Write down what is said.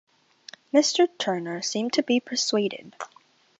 Mr. Turner seemed to be persuaded.